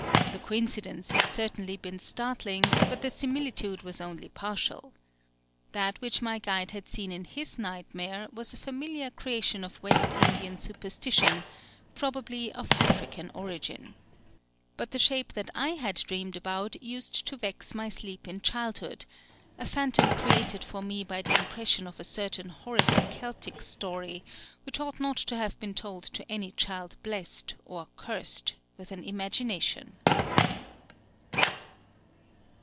The coincidence had certainly been startling; but the similitude was only partial. That which my guide had seen in his nightmare was a familiar creation of West Indian superstition probably of African origin. But the shape that I had dreamed about used to vex my sleep in childhood, a phantom created for me by the impression of a certain horrible Celtic story which ought not to have been told to any child blessed, or cursed, with an imagination.